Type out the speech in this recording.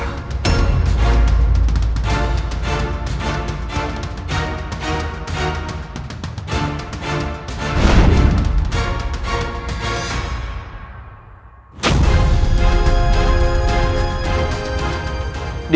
di mana dia